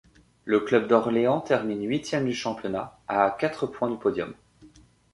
Le club d'Orléans termine huitième du championnat, à quatre points du podium.